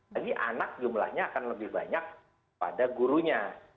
jadi anak jumlahnya akan lebih banyak pada gurunya